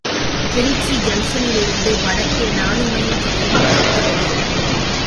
திருச்சி ஜங்ஷனிலிருந்து வடக்கே நாலுமைல் தொலைவில் இருக்கிறது.